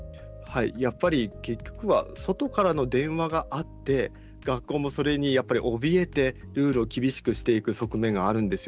やっぱり結局は外からの電話があって学校もそれにおびえてルールを厳しくいく側面があるんです。